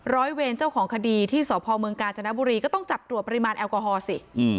ร้อยเวรเจ้าของคดีที่สพเมืองกาญจนบุรีก็ต้องจับตรวจปริมาณแอลกอฮอลสิ